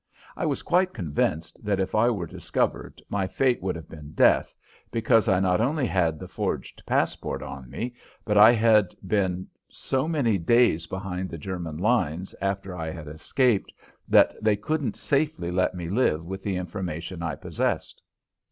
I was quite convinced that if I were discovered my fate would have been death, because I not only had the forged passport on me, but I had been so many days behind the German lines after I had escaped that they couldn't safely let me live with the information I possessed.